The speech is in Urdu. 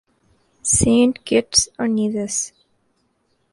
سینٹ کٹس اور نیویس